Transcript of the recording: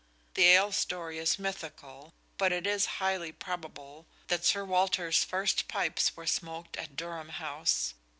The ale story is mythical, but it is highly probable that Sir Walter's first pipes were smoked in Durham House.